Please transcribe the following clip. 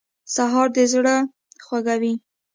سهار د زړه خوښوي.